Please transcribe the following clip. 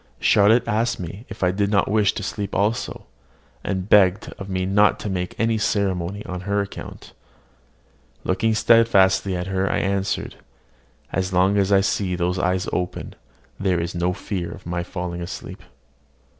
Charlotte asked me if I did not wish to sleep also, and begged of me not to make any ceremony on her account. Looking steadfastly at her, I answered, "As long as I see those eyes open, there is no fear of my falling asleep."